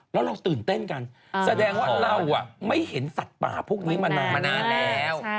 แล้วเราตื่นเต้นกันแสดงว่าเราไม่เห็นสัตว์ป่าพวกนี้มานานมานานแล้ว